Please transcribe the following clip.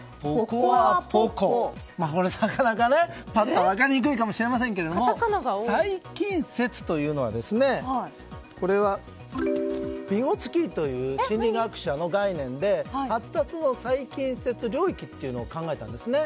これ、なかなか分かりにくいかもしれませんが最近接というのはヴィゴツキーという心理学者の概念で発達の最近接領域というのを考えたんですね。